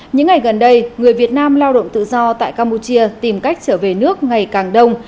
những ngày gần đây người việt nam lao động tự do tại campuchia tìm cách trở về nước ngày càng đông